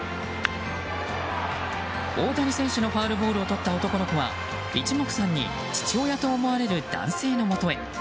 大谷選手のファウルボールをとった男の子は一目散に父親と思われる男性のもとへ。